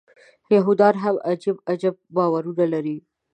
یهودان هم عجب عجب باورونه لري.